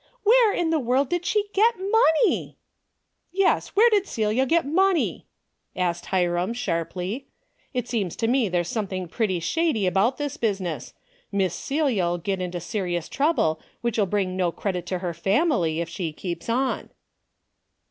" Where in the world did she get money ?" "Yes, where did Celia get money?" asked Hiram, sharply. " It seems to me there's something pretty shady about this business. Miss Celia 'll get into serious trouble which will bring no credit to her family, if she keeps on."